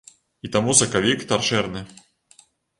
І таму сакавік таршэрны.